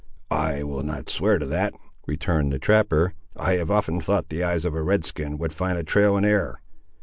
"I will not swear to that," returned the trapper; "I have often thought the eyes of a Red skin would find a trail in air."